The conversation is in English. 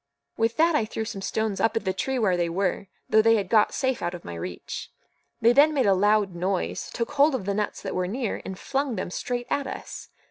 With that I threw some stones up at the tree where they were, though they had got safe out of my reach. They then made a loud noise, took hold of the nuts that were near, and flung them straight at us.